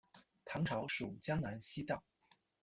唐朝属江南西道。